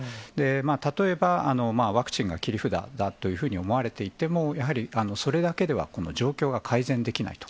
例えば、ワクチンが切り札だというふうに思われていても、やはりそれだけではこの状況が改善できないと。